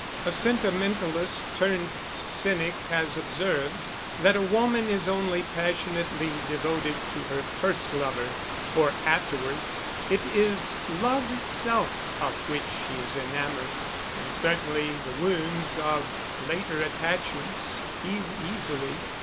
A sentimentalist turned cynic has observed that a woman is only passionately devoted to her first lover, for afterwards it is love itself of which she is enamoured; and certainly the wounds of later attachments heal easily.